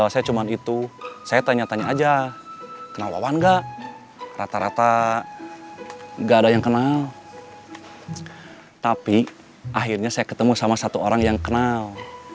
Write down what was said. saya ketemu sama satu orang yang kenal